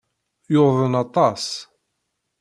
Yuḍen aṭas.